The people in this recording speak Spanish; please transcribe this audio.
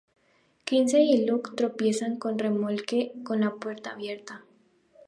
Kinsey y Luke tropiezan con un remolque con la puerta abierta.